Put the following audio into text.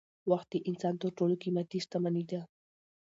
وخت د انسان تر ټولو قيمتي شتمني ده.